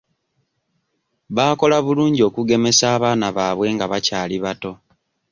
Baakola bulungi okugemesa abaana baabwe nga bakyali bato.